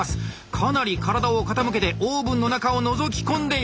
かなり体を傾けてオーブンの中をのぞき込んでいる。